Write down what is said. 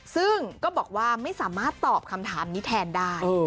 ซึ่งก็บอกว่าไม่สามารถตอบคำถามนี้แทนได้